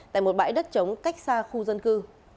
tại một bãi đất trống cách xa khu dân cư